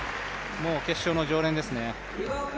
もう、決勝の常連ですね。